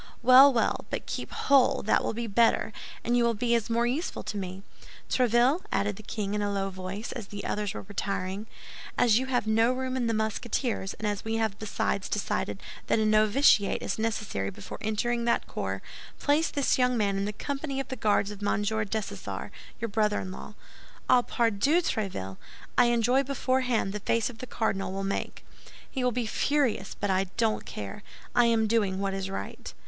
"Well, well, but keep whole; that will be better, and you will be more useful to me. Tréville," added the king, in a low voice, as the others were retiring, "as you have no room in the Musketeers, and as we have besides decided that a novitiate is necessary before entering that corps, place this young man in the company of the Guards of Monsieur Dessessart, your brother in law. Ah, pardieu, Tréville! I enjoy beforehand the face the cardinal will make. He will be furious; but I don't care. I am doing what is right."